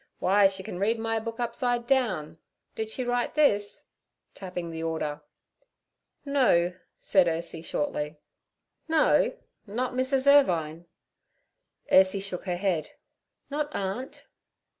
Why, she can read my book upside down. Did she write this?' tapping the order. 'No' said Ursie shortly. 'No? Not Mrs. Irvine?' Ursie shook her head. 'Not aunt.'